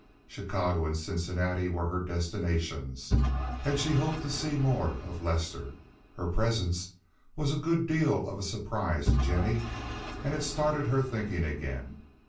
Chicago and Cincinnati were her destinations, and she hoped to see more of Lester. Her presence was a good deal of a surprise to Jennie, and it started her thinking again.